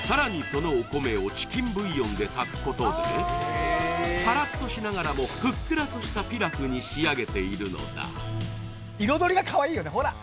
そのお米をチキンブイヨンで炊くことでパラッとしながらもふっくらとしたピラフに仕上げているのだあ